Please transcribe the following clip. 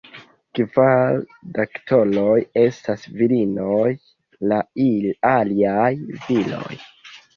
Kvar Doktoroj estas virinoj, la aliaj viroj.